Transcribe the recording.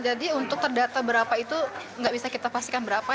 jadi untuk terdata berapa itu nggak bisa kita pastikan berapa